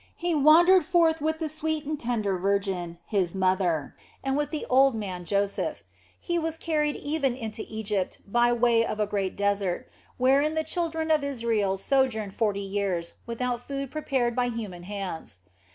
He wandered forth with the sweet and tender Virgin, His mother, and with the old , OF FOLIGNO 73 man Joseph. He was carried even into Egypt by way of a great desert, wherein the children of Israel sojourned forty years without food prepared by human hands.